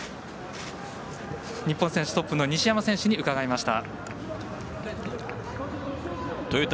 日本選手トップの西山選手に伺いました。